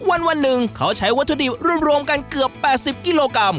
วันหนึ่งเขาใช้วัตถุดิบรวมกันเกือบ๘๐กิโลกรัม